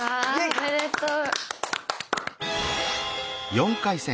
おめでとう！